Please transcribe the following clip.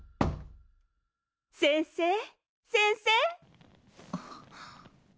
先生先生